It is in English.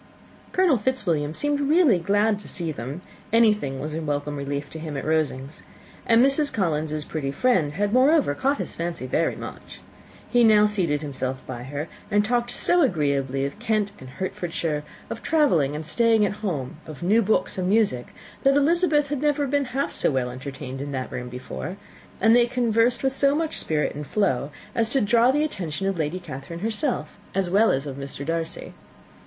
Colonel Fitzwilliam seemed really glad to see them: anything was a welcome relief to him at Rosings; and Mrs. Collins's pretty friend had, moreover, caught his fancy very much. He now seated himself by her, and talked so agreeably of Kent and Hertfordshire, of travelling and staying at home, of new books and music, that Elizabeth had never been half so well entertained in that room before; and they conversed with so much spirit and flow as to draw the attention of Lady Catherine herself, as well as of Mr. Darcy.